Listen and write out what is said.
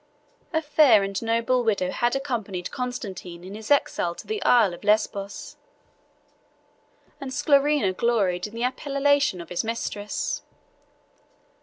A fair and noble widow had accompanied Constantine in his exile to the Isle of Lesbos, and Sclerena gloried in the appellation of his mistress.